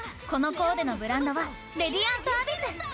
このコーデのブランドはレディアントアビス。